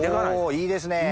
いいですねぇ！